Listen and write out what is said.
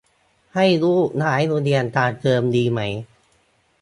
ให้ลูกย้ายโรงเรียนกลางเทอมดีไหม